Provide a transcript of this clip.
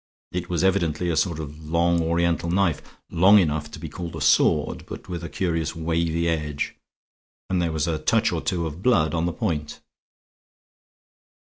It was evidently a sort of long Oriental knife, long enough to be called a sword, but with a curious wavy edge; and there was a touch or two of blood on the point.